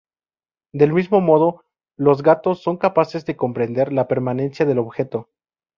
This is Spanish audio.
Del mismo modo, los gatos son capaces de comprender la permanencia del objeto.